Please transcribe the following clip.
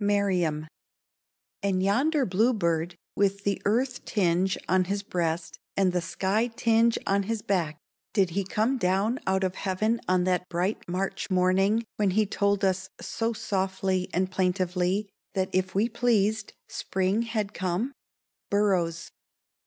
Merriam. And yonder bluebird, with the earth tinge on his breast and the sky tinge on his back, did he come down out of heaven on that bright March morning when he told us so softly and plaintively that if we pleased, spring had come? _Burroughs.